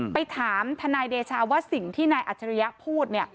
ไปถามทนายเดชาว่าสิ่งที่นายอัจฉริยะพูด